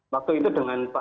waktu itu dengan pak